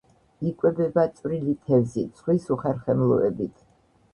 იკვებება წვრილი თევზით, ზღვის უხერხემლოებით.